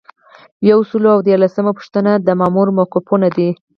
یو سل او دیارلسمه پوښتنه د مامور موقفونه دي.